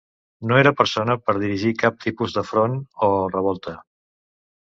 No era persona per dirigir cap tipus de front o revolta.